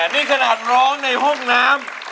นี่ขนาดร้องในห้องน้ำ